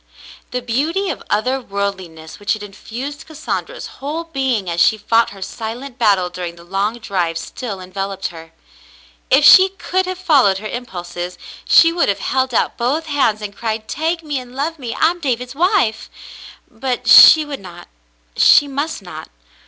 The beauty of other worldliness which had infused Cassandra's whole being as she fought her silent battle during the long drive, still enveloped her. If she could have followed her impulses, she would have held out both hands and cried : "Take me and love me. I am David's wife." But she would not — she must not.